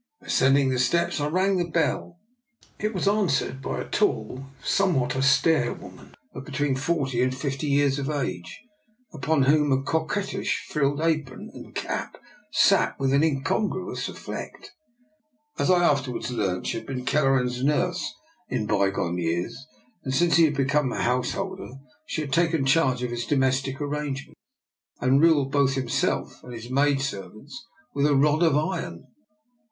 Ascending the steps, I rang the bell. It was answered by a tall and somewhat austere woman of between forty and fifty years of age, upon whom a coquettish frilled apron and cap DR. NIKOLA'S EXPERIMENT, 27 sat with incongruous effect. As I afterwards learnt, she had been Kelleran's nurse in by gone years, and since he had become a house holder she had taken charge of his domestic arrangements and ruled both himself and his maidservants with a rod of iron.